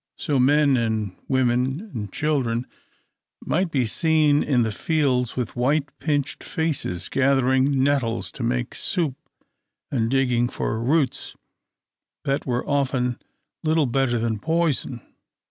So men and women and children might be seen in the fields, with white pinched faces, gathering nettles to make soup, and digging for roots that were often little better than poison.